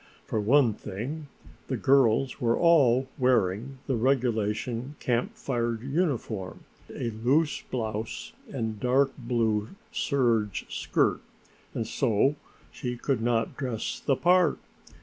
For one thing the girls were all wearing the regulation Camp Fire uniform, a loose blouse and dark blue serge skirt, and so she could not dress the part.